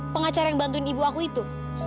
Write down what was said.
pengacara yang bantuin ibu aku itu